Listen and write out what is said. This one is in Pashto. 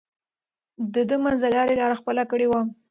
ده د منځلارۍ لار خپله کړې وه.